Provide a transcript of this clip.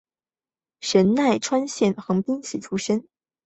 神奈川县横滨市出身。